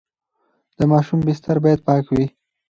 د ماشوم بستر باید پاک وي.